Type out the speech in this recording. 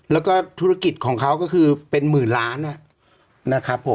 แล้วก็ธุรกิจของเขาก็คือเป็นหมื่นล้านนะครับผม